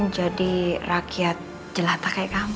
jadi rakyat jelata kayak kamu